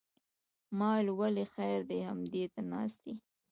ما ویل ولې خیر دی همدې ته ناست یې.